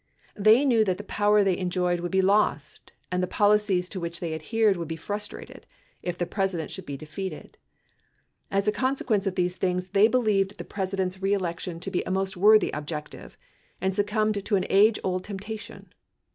They knew that the power they enjoyed would be lost and the poli cies to which they adhered would be frustrated if the President should be defeated. As a consequence of these things, they believed the President's re election to be a most worthy objective, and succumbed to an age old temptation.